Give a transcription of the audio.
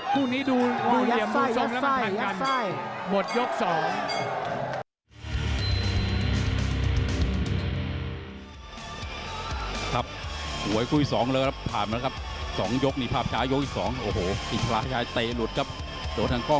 คู่นี้ดูเหลี่ยมมือสองแล้วกัน